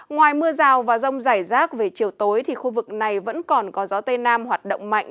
ngoài mưa rào và rông rải rác về chiều tối khu vực này vẫn còn có gió tây nam hoạt động mạnh